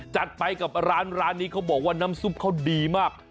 จัดไปกับร้านนี้เขาบอกว่าน้ำซุปเขาดีมาก